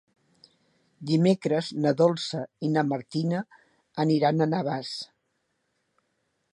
Dimecres na Dolça i na Martina aniran a Navàs.